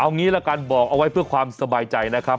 เอางี้ละกันบอกเอาไว้เพื่อความสบายใจนะครับ